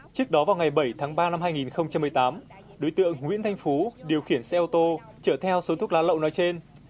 trước đó vào ngày bảy tháng ba năm hai nghìn một mươi tám đối tượng nguyễn thanh phú điều khiển xe ô tô chở theo số thuốc lá lậu nói trên